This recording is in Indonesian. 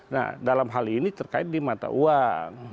nah dalam hal ini terkait di mata uang